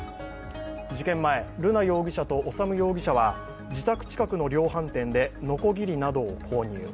事件前、瑠奈容疑者と修容疑者は自宅近くの量販店でのこぎりなどを購入。